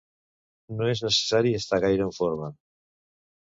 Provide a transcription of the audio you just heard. No és necessari estar gaire en forma.